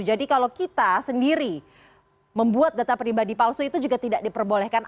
jadi kalau kita sendiri membuat data pribadi palsu itu juga tidak diperbolehkan